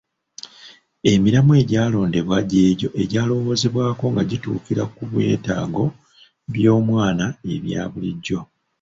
Emiramwa egyalondebwa gy’egyo egyalowoozebwako nga gituukira ku byetaago by’omwana ebya bulijjo.